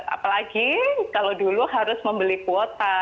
apalagi kalau dulu harus membeli kuota